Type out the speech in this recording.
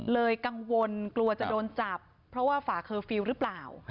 กังวลกลัวจะโดนจับเพราะว่าฝ่าเคอร์ฟิลล์หรือเปล่า